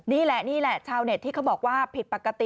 นี่แหละนี่แหละชาวเน็ตที่เขาบอกว่าผิดปกติ